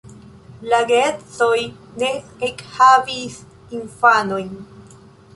La geedzoj ne ekhavis infanojn.